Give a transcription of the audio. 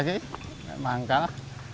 jadi harus beli